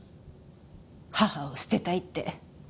母を捨てたいって。